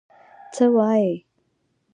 _څه وايي؟